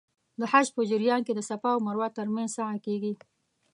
د حج په جریان کې د صفا او مروه ترمنځ سعی کېږي.